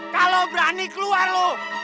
kalau berani keluar lo